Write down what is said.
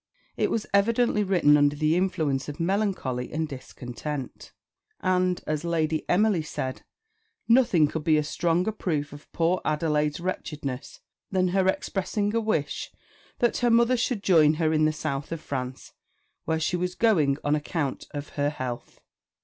It was evidently written under the influence of melancholy and discontent; and, as Lady Emily said, nothing could be a stronger proof of poor Adelaide's wretchedness than her expressing a wish that her mother should join her in the South of France, where she was going on account of her health.